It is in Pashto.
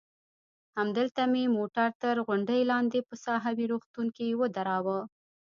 همدلته مې موټر تر غونډۍ لاندې په ساحوي روغتون کې ودراوه.